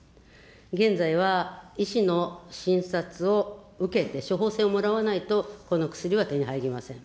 現在は医師の診察を受けて、処方せんをもらわないと、この薬は手に入りません。